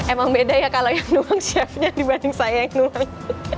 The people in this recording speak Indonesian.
emang beda ya kalo yang nuang chef nya dibanding saya yang nuang